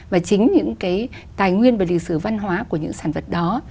và chính những cái tài nguyên và lịch sử văn hóa của những sản vật đó